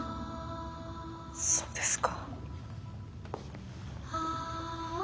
そうですか。